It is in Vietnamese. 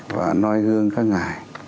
và noi hương các ngài